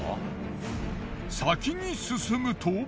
先に進むと。